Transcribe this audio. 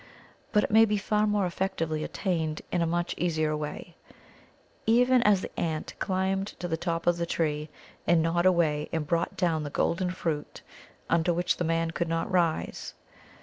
But it may be far more effectively attained in a much easier way, even as the ant climbed to the top of the tree and gnawed away and brought down the golden fruit unto which the man could not rise.